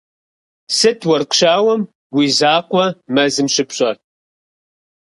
- Сыт уэркъ щауэм уи закъуэ мэзым щыпщӀэр?